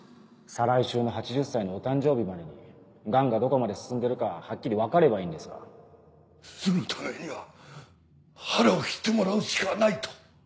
再来週の８０歳のお誕生日までに癌がどこまで進んでるかはっきり分かればいいんですがそのためには腹を切ってもらうしかないと。